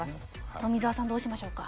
富澤さんどうしましょうか。